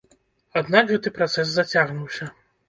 Аднак гэты працэс зацягнуўся.